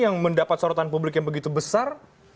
yang mendapat sorotan publik yang begitu besar